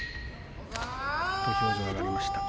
土俵に上がりました。